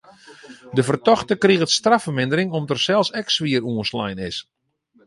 De fertochte kriget straffermindering om't er sels ek swier oanslein is.